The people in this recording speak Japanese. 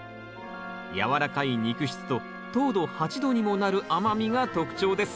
やわらかい肉質と糖度８度にもなる甘みが特徴です